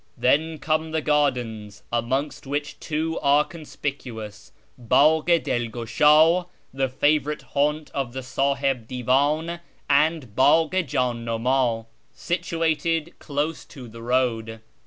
Then come the gardens, amongst which two are con spicuous— Bdgh i Dilgushd, the favourite haunt of the Sahib Divan; and — Bdgh i Jdn numd, situated close to the road.